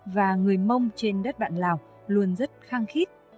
và người mông trên đất bạn lào luôn rất khăng khít